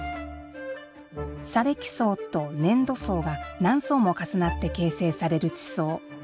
砂れき層と粘土層が何層も重なって形成される地層。